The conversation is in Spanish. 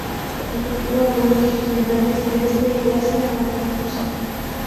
Efectúa vuelos regionales desde y hacia Amakusa.